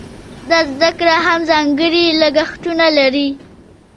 دا زده کړه هم ځانګړي لګښتونه لري.